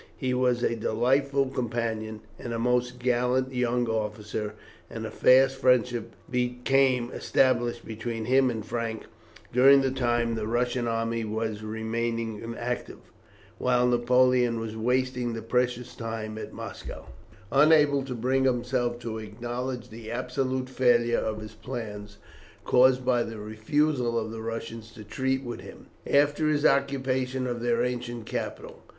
He was a delightful companion and a most gallant young officer, and a fast friendship became established between him and Frank, during the time the Russian army was remaining inactive, while Napoleon was wasting the precious time at Moscow, unable to bring himself to acknowledge the absolute failure of his plans caused by the refusal of the Russians to treat with him, after his occupation of their ancient capital.